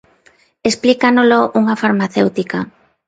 Explícanolo unha farmacéutica.